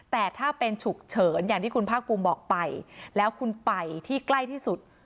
แต่ถ้าเป็นฉุกเฉินอย่างที่คุณภาคภูมิบอกไปแล้วคุณไปที่ใกล้ที่สุด